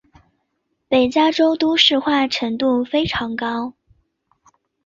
北加州都市化程度非常高。